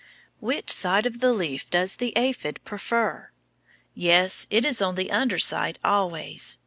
Which side of the leaf does the aphid prefer? Yes, it is on the under side always.